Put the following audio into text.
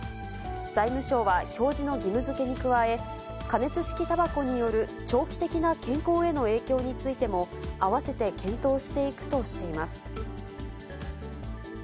財務省は表示の義務づけに加え、加熱式たばこによる長期的な健康への影響についても、合わせて検討していくとしています。